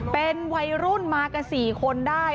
เป็นวัยรุ่นมากัน๔คนได้